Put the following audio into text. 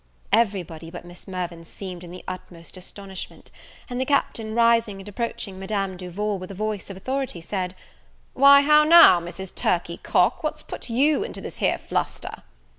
Everybody but Miss Mirvan seemed in the utmost astonishment; and the Captain rising and approaching Madame Duval, with a voice of authority, said, "Why, how now, Mrs. Turkey cock, what's put you into this here fluster?"